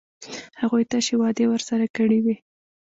هغوی تشې وعدې ورسره کړې وې.